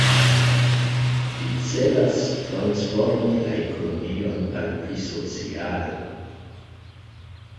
Ĝi celas transformi la ekonomion al pli sociala.